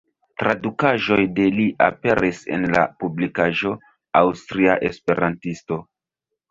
Tradukaĵoj de li aperis en la publikaĵo "Aŭstria Esperantisto".